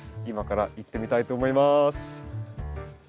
今から行ってみたいと思います。